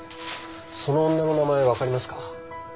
その女の名前わかりますか？